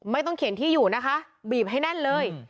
ไม่ต้องเขียนที่อยู่นะคะบีบให้แน่นเลย